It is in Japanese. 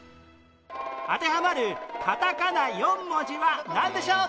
当てはまるカタカナ４文字はなんでしょう？